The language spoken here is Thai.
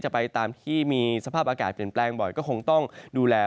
ไปตามที่มีสภาพอากาศเปลี่ยนแปลงบ่อยก็คงต้องดูแล